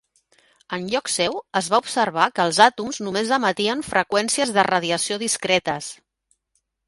En lloc seu, es va observar que els àtoms només emetien freqüències de radiació discretes.